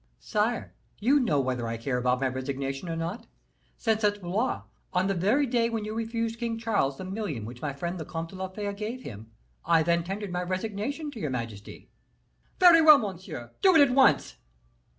"Sire, you know whether I care about my resignation or not, since at Blois, on the very day when you refused King Charles the million which my friend the Comte de la Fere gave him, I then tendered my resignation to your majesty." "Very well, monsieur do it at once!"